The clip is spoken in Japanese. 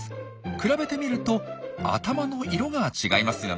比べてみると頭の色が違いますよね。